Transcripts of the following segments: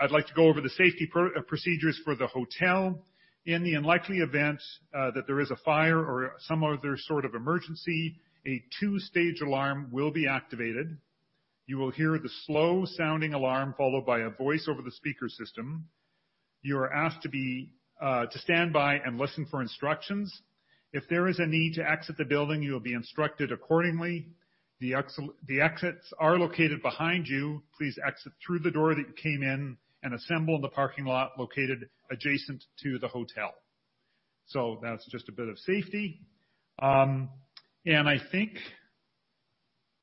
I'd like to go over the safety procedures for the hotel. In the unlikely event that there is a fire or some other sort of emergency, a 2-stage alarm will be activated. You will hear the slow-sounding alarm followed by a voice over the speaker system. You are asked to stand by and listen for instructions. If there is a need to exit the building, you will be instructed accordingly. The exits are located behind you. Please exit through the door that you came in and assemble in the parking lot located adjacent to the hotel. That's just a bit of safety. I think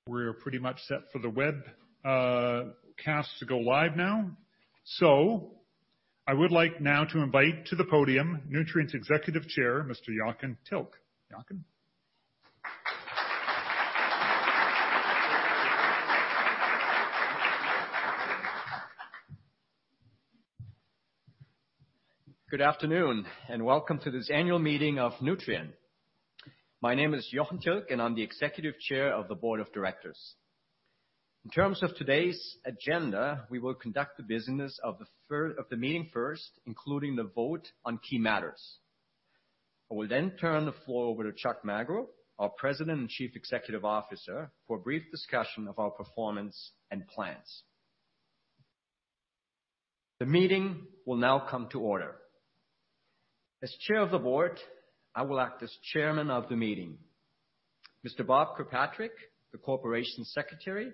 we're pretty much set for the webcast to go live now. I would like now to invite to the podium Nutrien's Executive Chair, Mr. Jochen Tilk. Jochen? Good afternoon, welcome to this annual meeting of Nutrien. My name is Jochen Tilk, and I'm the Executive Chair of the Board of Directors. In terms of today's agenda, we will conduct the business of the meeting first, including the vote on key matters. I will turn the floor over to Chuck Magro, our President and Chief Executive Officer, for a brief discussion of our performance and plans. The meeting will now come to order. As Chair of the Board, I will act as Chairman of the meeting. Mr. Bob Kirkpatrick, the Corporation Secretary,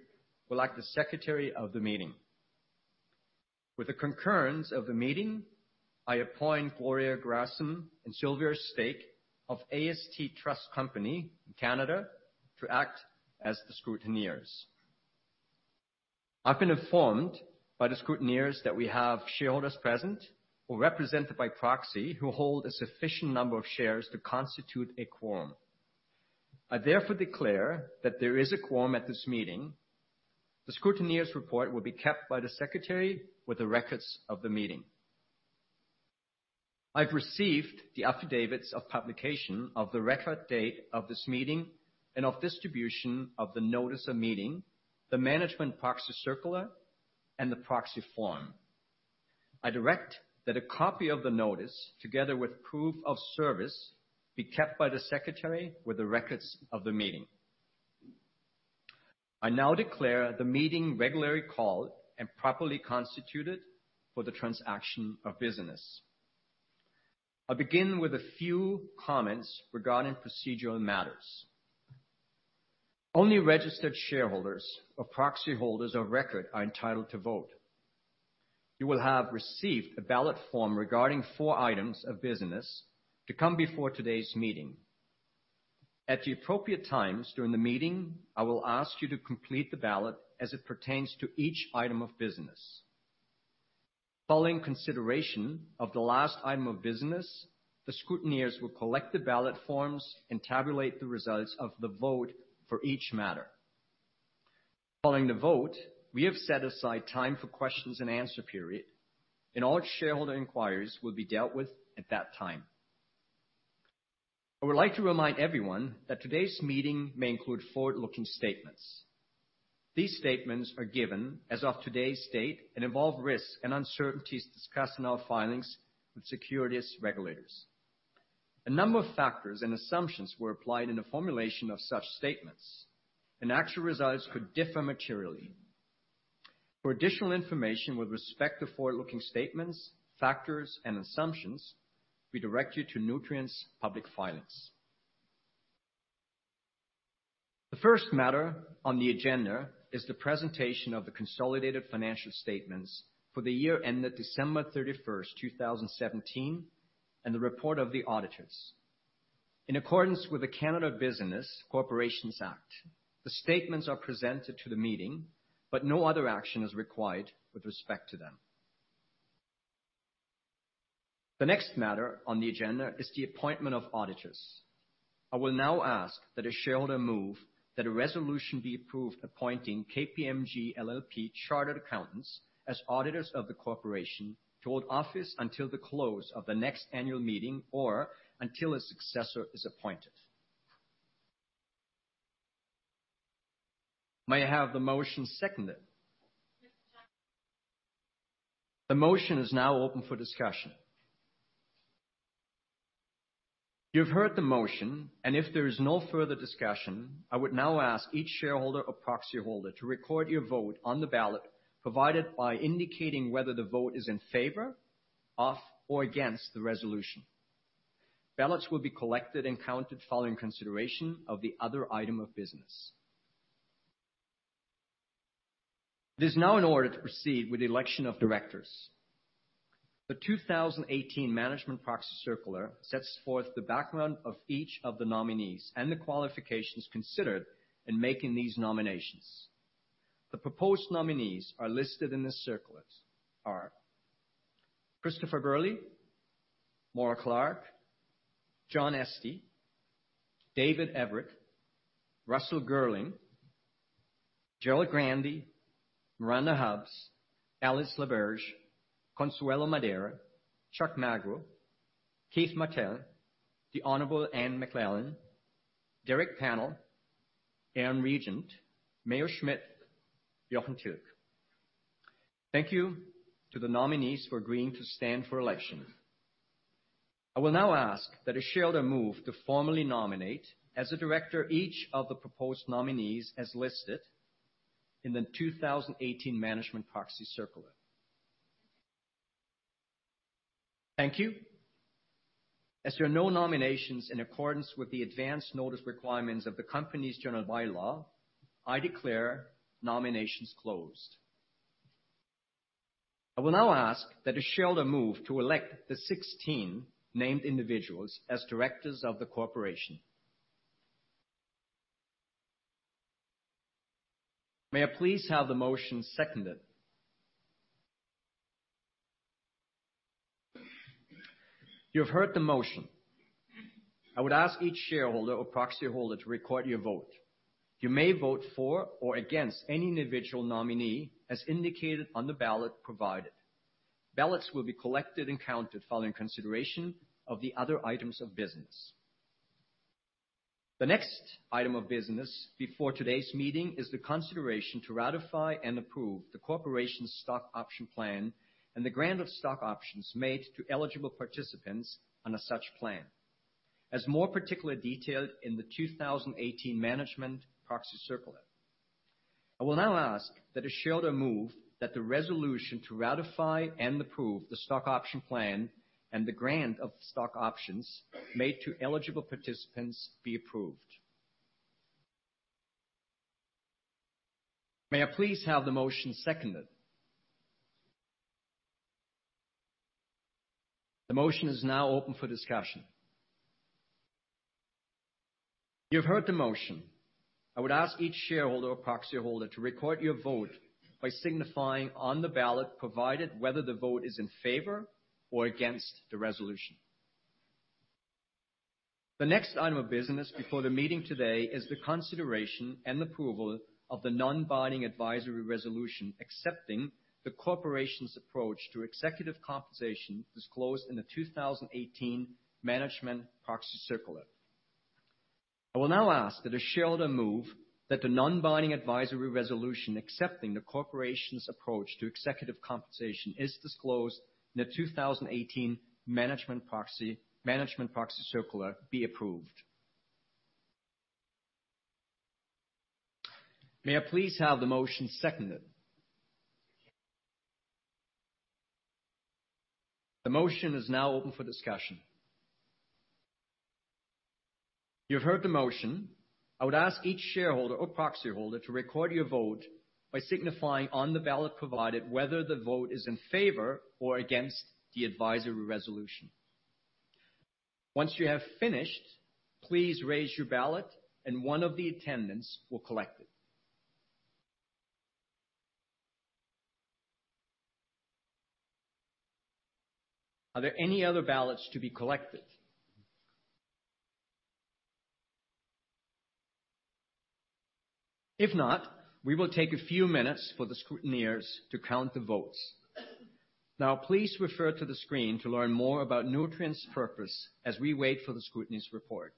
will act as Secretary of the meeting. With the concurrence of the meeting, I appoint Gloria Grassam and Sylvia Stake of AST Trust Company in Canada to act as the scrutineers. I've been informed by the scrutineers that we have shareholders present who are represented by proxy, who hold a sufficient number of shares to constitute a quorum. I therefore declare that there is a quorum at this meeting. The scrutineers' report will be kept by the Secretary with the records of the meeting. I've received the affidavits of publication of the record date of this meeting and of distribution of the notice of meeting, the management proxy circular, and the proxy form. I direct that a copy of the notice, together with proof of service, be kept by the Secretary with the records of the meeting. I now declare the meeting regularly called and properly constituted for the transaction of business. I'll begin with a few comments regarding procedural matters. Only registered shareholders or proxy holders of record are entitled to vote. You will have received a ballot form regarding four items of business to come before today's meeting. At the appropriate times during the meeting, I will ask you to complete the ballot as it pertains to each item of business. Following consideration of the last item of business, the scrutineers will collect the ballot forms and tabulate the results of the vote for each matter. Following the vote, we have set aside time for questions and answer period. All shareholder inquiries will be dealt with at that time. I would like to remind everyone that today's meeting may include forward-looking statements. These statements are given as of today's date and involve risks and uncertainties discussed in our filings with securities regulators. A number of factors and assumptions were applied in the formulation of such statements, and actual results could differ materially. For additional information with respect to forward-looking statements, factors, and assumptions, we direct you to Nutrien's public filings. The first matter on the agenda is the presentation of the consolidated financial statements for the year ended December 31st, 2017, and the report of the auditors. In accordance with the Canada Business Corporations Act, the statements are presented to the meeting, but no other action is required with respect to them. The next matter on the agenda is the appointment of auditors. I will now ask that a shareholder move that a resolution be approved appointing KPMG LLP Chartered Accountants as auditors of the corporation to hold office until the close of the next annual meeting, or until a successor is appointed. May I have the motion seconded? Yes. The motion is now open for discussion. You've heard the motion, and if there is no further discussion, I would now ask each shareholder or proxy holder to record your vote on the ballot provided by indicating whether the vote is in favor, for or against the resolution. Ballots will be collected and counted following consideration of the other item of business. It is now in order to proceed with the election of directors. The 2018 management proxy circular sets forth the background of each of the nominees and the qualifications considered in making these nominations. The proposed nominees are listed in the circular are Christopher Burley, Maura Clark, John Estey, David Everitt, Russell Girling, Gerald Grandey, Miranda Hubbs, Alice Laberge, Consuelo Madere, Chuck Magro, Keith Martell, The Honorable Anne McLellan, Derek Pannell, Aaron Regent, Mayo Schmidt, Jochen Tilk. Thank you to the nominees for agreeing to stand for election. I will now ask that a shareholder move to formally nominate as a director each of the proposed nominees as listed in the 2018 management proxy circular. Thank you. As there are no nominations in accordance with the advance notice requirements of the company's general bylaw, I declare nominations closed. I will now ask that a shareholder move to elect the 16 named individuals as directors of the corporation. May I please have the motion seconded? You have heard the motion. I would ask each shareholder or proxyholder to record your vote. You may vote for or against any individual nominee as indicated on the ballot provided. Ballots will be collected and counted following consideration of the other items of business. The next item of business before today's meeting is the consideration to ratify and approve the corporation's stock option plan and the grant of stock options made to eligible participants on a such plan, as more particularly detailed in the 2018 management proxy circular. I will now ask that a shareholder move that the resolution to ratify and approve the stock option plan and the grant of stock options made to eligible participants be approved. May I please have the motion seconded? The motion is now open for discussion. You've heard the motion. I would ask each shareholder or proxyholder to record your vote by signifying on the ballot provided whether the vote is in favor or against the resolution. The next item of business before the meeting today is the consideration and approval of the non-binding advisory resolution accepting the corporation's approach to executive compensation disclosed in the 2018 management proxy circular. I will now ask that a shareholder move that the non-binding advisory resolution accepting the corporation's approach to executive compensation as disclosed in the 2018 management proxy circular be approved. May I please have the motion seconded? The motion is now open for discussion. You've heard the motion. I would ask each shareholder or proxyholder to record your vote by signifying on the ballot provided whether the vote is in favor or against the advisory resolution. Once you have finished, please raise your ballot and one of the attendants will collect it. Are there any other ballots to be collected? If not, we will take a few minutes for the scrutineers to count the votes. Please refer to the screen to learn more about Nutrien's purpose as we wait for the scrutineer's report.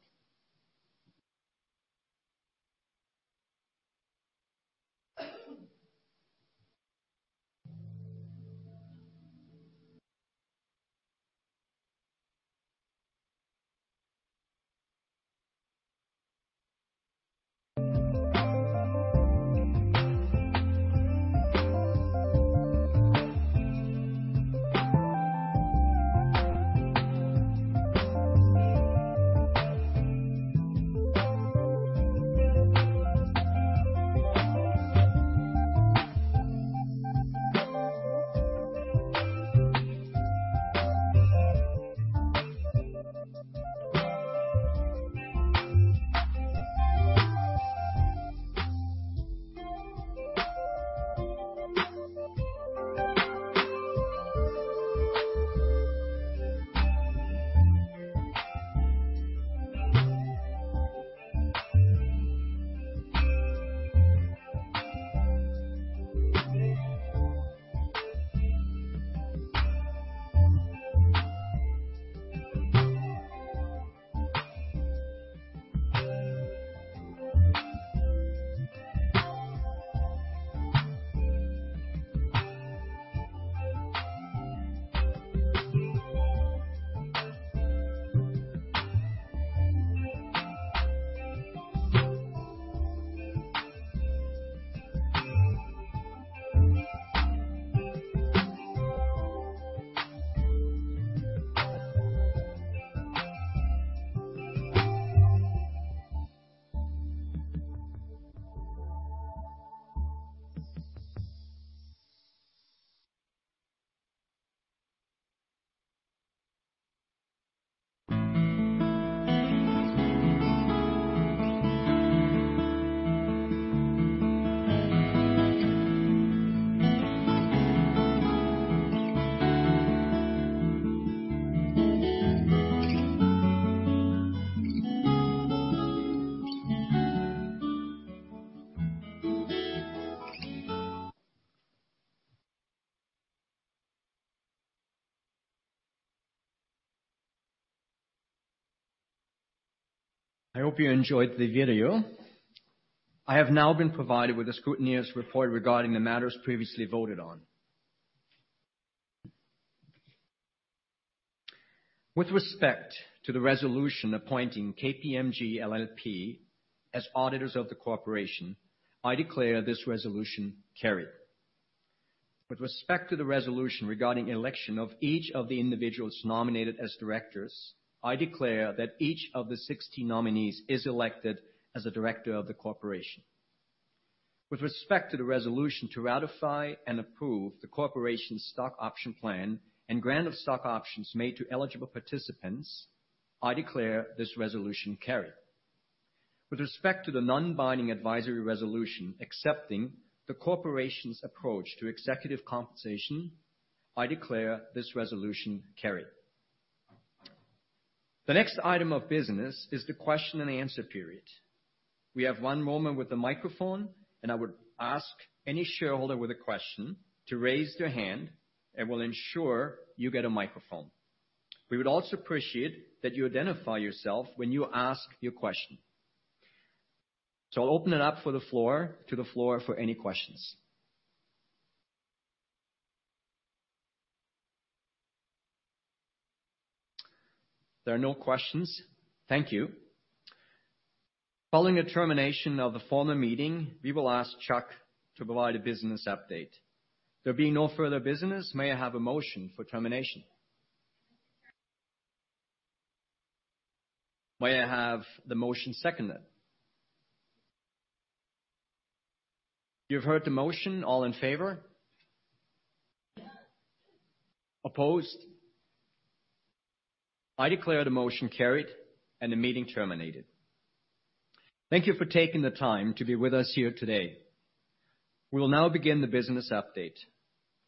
I hope you enjoyed the video. I have now been provided with a scrutineer's report regarding the matters previously voted on. With respect to the resolution appointing KPMG LLP as auditors of the corporation, I declare this resolution carried. With respect to the resolution regarding election of each of the individuals nominated as directors, I declare that each of the 16 nominees is elected as a director of the corporation. With respect to the resolution to ratify and approve the corporation's stock option plan and grant of stock options made to eligible participants, I declare this resolution carried. With respect to the non-binding advisory resolution accepting the corporation's approach to executive compensation, I declare this resolution carried. The next item of business is the question and answer period. We have one moment with the microphone. I would ask any shareholder with a question to raise their hand and we'll ensure you get a microphone. We would also appreciate that you identify yourself when you ask your question. I'll open it up to the floor for any questions. There are no questions. Thank you. Following the termination of the former meeting, we will ask Chuck to provide a business update. There being no further business, may I have a motion for termination? May I have the motion seconded? You've heard the motion, all in favor? Opposed? I declare the motion carried and the meeting terminated. Thank you for taking the time to be with us here today. We will now begin the business update.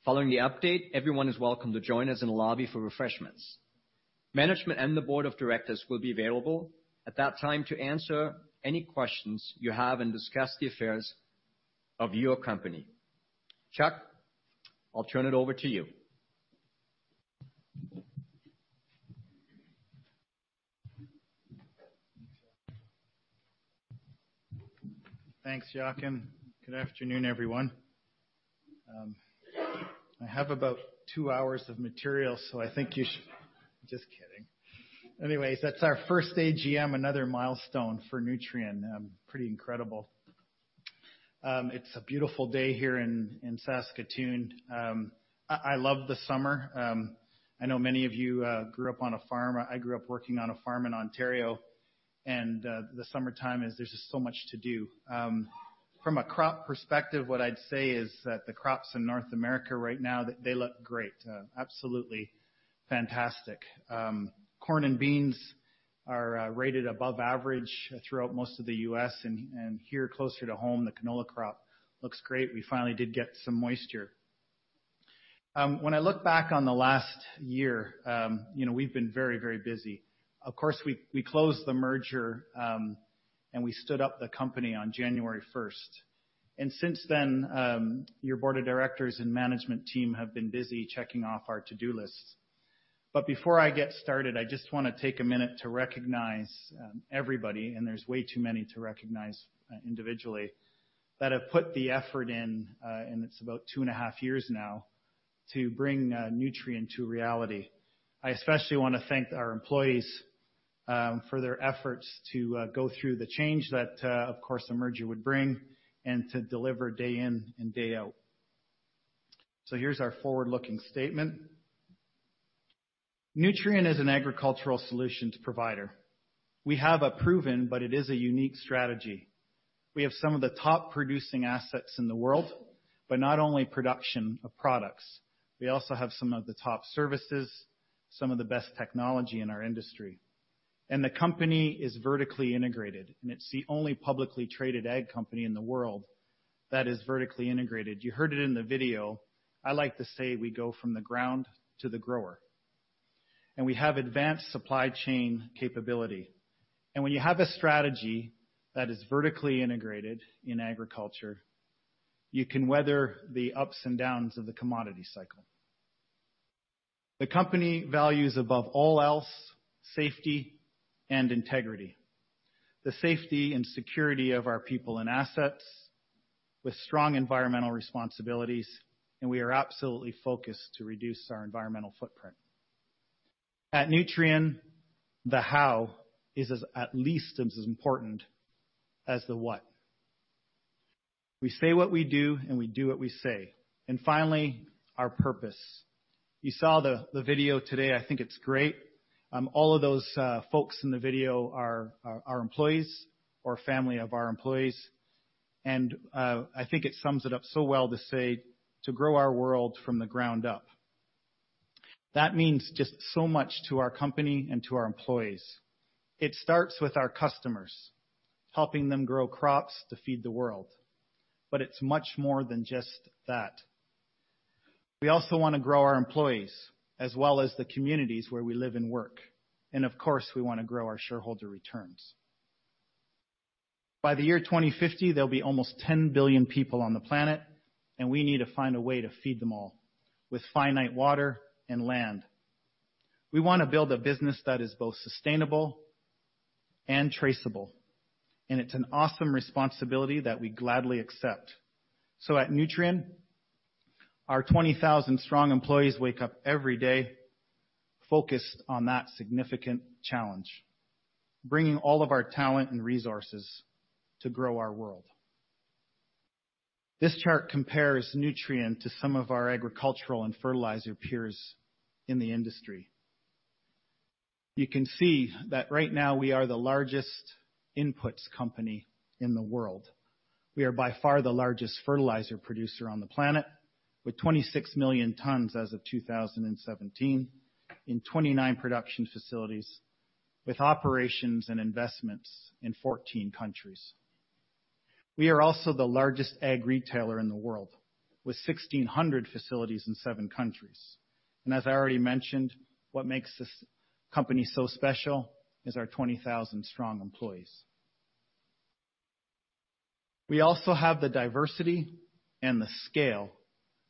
Following the update, everyone is welcome to join us in the lobby for refreshments. Management and the board of directors will be available at that time to answer any questions you have and discuss the affairs of your company. Chuck, I'll turn it over to you. Thanks, Jochen. Good afternoon, everyone. I have about 2 hours of material, so I think you should Just kidding. Anyways, that's our first AGM, another milestone for Nutrien. Pretty incredible. It's a beautiful day here in Saskatoon. I love the summer. I know many of you grew up on a farm. I grew up working on a farm in Ontario, and the summertime there's just so much to do. From a crop perspective, what I'd say is that the crops in North America right now, they look great. Absolutely fantastic. Corn and beans are rated above average throughout most of the U.S., and here closer to home, the canola crop looks great. We finally did get some moisture. When I look back on the last year, we've been very busy. Of course, we closed the merger, and we stood up the company on January 1st. Since then, your board of directors and management team have been busy checking off our to-do lists. Before I get started, I just want to take a minute to recognize everybody, and there's way too many to recognize individually, that have put the effort in, and it's about two and a half years now, to bring Nutrien to reality. I especially want to thank our employees for their efforts to go through the change that, of course, the merger would bring, and to deliver day in and day out. Here's our forward-looking statement. Nutrien is an agricultural solutions provider. We have a proven, but it is a unique strategy. We have some of the top-producing assets in the world, but not only production of products. We also have some of the top services, some of the best technology in our industry. The company is vertically integrated, and it's the only publicly traded ag company in the world that is vertically integrated. You heard it in the video. I like to say we go from the ground to the grower. We have advanced supply chain capability. When you have a strategy that is vertically integrated in agriculture, you can weather the ups and downs of the commodity cycle. The company values above all else safety and integrity, the safety and security of our people and assets with strong environmental responsibilities, and we are absolutely focused to reduce our environmental footprint. At Nutrien, the how is at least as important as the what. We say what we do, and we do what we say. Finally, our purpose. You saw the video today. I think it's great. All of those folks in the video are our employees or family of our employees, and I think it sums it up so well to say, to grow our world from the ground up. That means just so much to our company and to our employees. It starts with our customers, helping them grow crops to feed the world. It's much more than just that. We also want to grow our employees, as well as the communities where we live and work. Of course, we want to grow our shareholder returns. By the year 2050, there'll be almost 10 billion people on the planet, and we need to find a way to feed them all with finite water and land. We want to build a business that is both sustainable and traceable, and it's an awesome responsibility that we gladly accept. At Nutrien, our 20,000 strong employees wake up every day focused on that significant challenge, bringing all of our talent and resources to grow our world. This chart compares Nutrien to some of our agricultural and fertilizer peers in the industry. You can see that right now we are the largest inputs company in the world. We are by far the largest fertilizer producer on the planet, with 26 million tons as of 2017, in 29 production facilities, with operations and investments in 14 countries. We are also the largest ag retailer in the world, with 1,600 facilities in seven countries. As I already mentioned, what makes this company so special is our 20,000 strong employees. We also have the diversity and the scale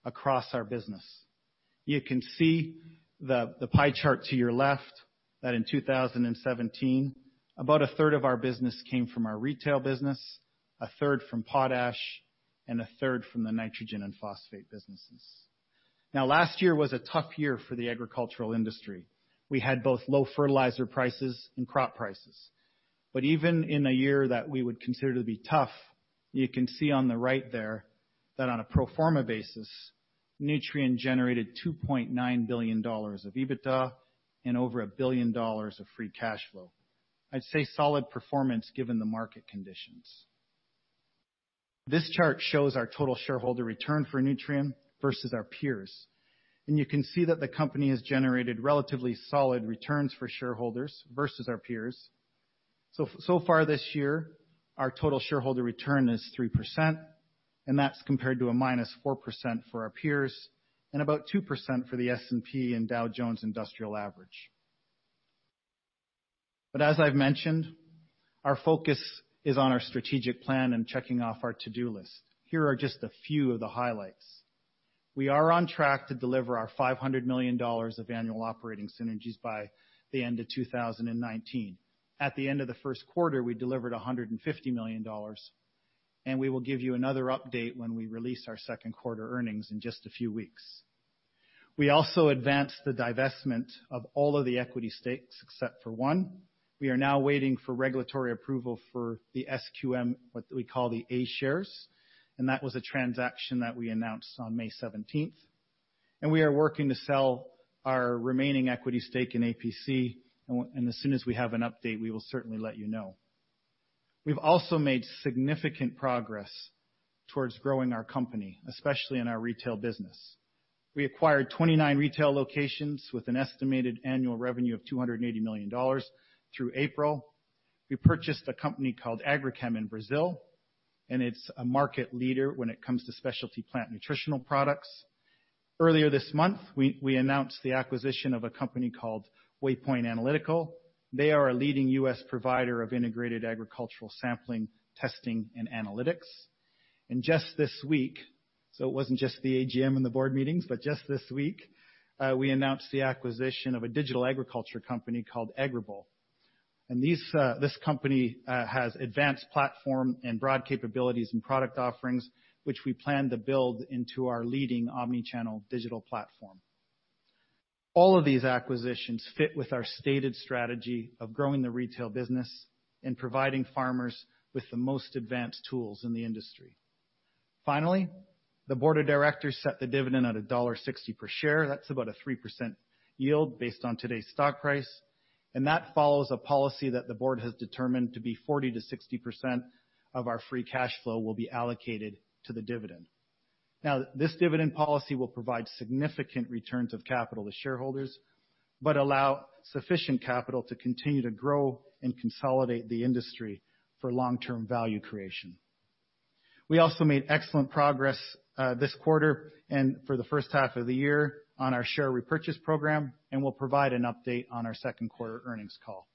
across our business. You can see the pie chart to your left, that in 2017, about a third of our business came from our retail business, a third from potash, and a third from the nitrogen and phosphate businesses. Last year was a tough year for the agricultural industry. We had both low fertilizer prices and crop prices. Even in a year that we would consider to be tough, you can see on the right there that on a pro forma basis, Nutrien generated $2.9 billion of EBITDA and over $1 billion of free cash flow. I'd say solid performance given the market conditions. This chart shows our total shareholder return for Nutrien versus our peers, you can see that the company has generated relatively solid returns for shareholders versus our peers. Far this year, our total shareholder return is 3%, that's compared to a minus 4% for our peers and about 2% for the S&P and Dow Jones Industrial Average. As I've mentioned, our focus is on our strategic plan and checking off our to-do list. Here are just a few of the highlights. We are on track to deliver our 500 million dollars of annual operating synergies by the end of 2019. At the end of the first quarter, we delivered 150 million dollars, we will give you another update when we release our second quarter earnings in just a few weeks. We also advanced the divestment of all of the equity stakes except for one. We are now waiting for regulatory approval for the SQM, what we call the A shares, that was a transaction that we announced on May 17th. We are working to sell our remaining equity stake in APC, as soon as we have an update, we will certainly let you know. We've also made significant progress towards growing our company, especially in our retail business. We acquired 29 retail locations with an estimated annual revenue of 280 million dollars through April. We purchased a company called Agrichem in Brazil, it's a market leader when it comes to specialty plant nutritional products. Earlier this month, we announced the acquisition of a company called Waypoint Analytical. They are a leading U.S. provider of integrated agricultural sampling, testing, and analytics. Just this week, so it wasn't just the AGM and the board meetings, but just this week, we announced the acquisition of a digital agriculture company called Agrible. This company has advanced platform and broad capabilities and product offerings, which we plan to build into our leading omni-channel digital platform. All of these acquisitions fit with our stated strategy of growing the retail business and providing farmers with the most advanced tools in the industry. The board of directors set the dividend at dollar 1.60 per share. That is about a 3% yield based on today's stock price, and that follows a policy that the board has determined to be 40%-60% of our free cash flow will be allocated to the dividend. This dividend policy will provide significant returns of capital to shareholders, but allow sufficient capital to continue to grow and consolidate the industry for long-term value creation. We also made excellent progress this quarter and for the first half of the year on our share repurchase program, and we will provide an update on our second quarter earnings call.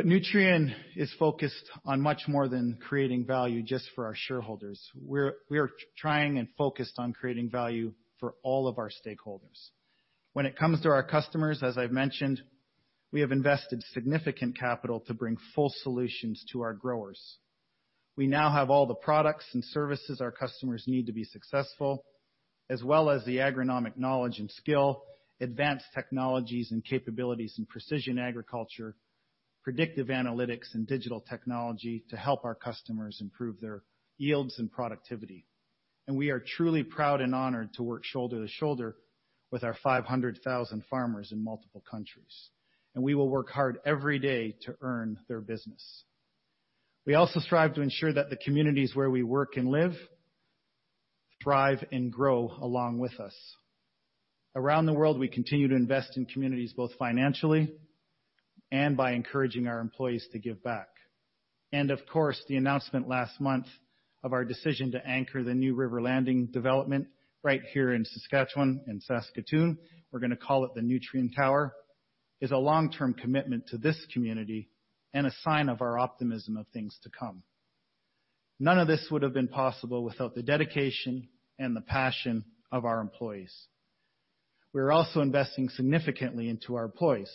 Nutrien is focused on much more than creating value just for our shareholders. We are trying and focused on creating value for all of our stakeholders. When it comes to our customers, as I have mentioned, we have invested significant capital to bring full solutions to our growers. We now have all the products and services our customers need to be successful, as well as the agronomic knowledge and skill, advanced technologies and capabilities in precision agriculture, predictive analytics, and digital technology to help our customers improve their yields and productivity. We are truly proud and honored to work shoulder to shoulder with our 500,000 farmers in multiple countries, and we will work hard every day to earn their business. We also strive to ensure that the communities where we work and live thrive and grow along with us. Around the world, we continue to invest in communities, both financially and by encouraging our employees to give back. Of course, the announcement last month of our decision to anchor the new River Landing development right here in Saskatchewan in Saskatoon, we are going to call it the Nutrien Tower, is a long-term commitment to this community and a sign of our optimism of things to come. None of this would have been possible without the dedication and the passion of our employees. We are also investing significantly into our employees.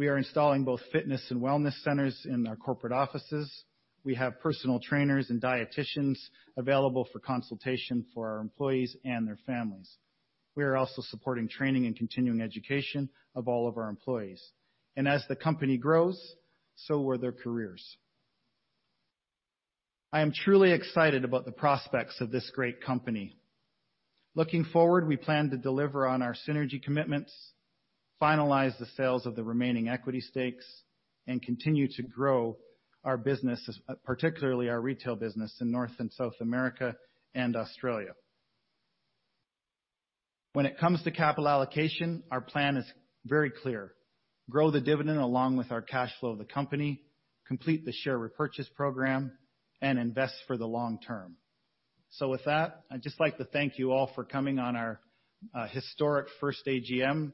We are installing both fitness and wellness centers in our corporate offices. We have personal trainers and dieticians available for consultation for our employees and their families. We are also supporting training and continuing education of all of our employees. As the company grows, so will their careers. I am truly excited about the prospects of this great company. Looking forward, we plan to deliver on our synergy commitments, finalize the sales of the remaining equity stakes, and continue to grow our businesses, particularly our retail business in North and South America and Australia. When it comes to capital allocation, our plan is very clear: grow the dividend along with our cash flow of the company, complete the share repurchase program, and invest for the long term. With that, I'd just like to thank you all for coming on our historic first AGM.